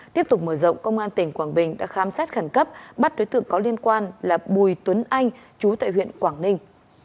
tiếp tục mở rộng công an tỉnh quảng bình đã khám xét khẩn cấp bắt đối tượng có liên quan là bùi tuấn anh chú tại huyện quảng ninh